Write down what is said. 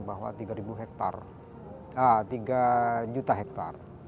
mengatakan bahwa tiga juta hektar